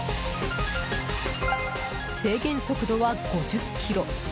制限速度は５０キロ。